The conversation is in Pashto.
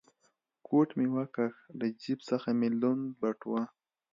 کوټ مې و کښ، له جېب څخه مې لوند بټوه.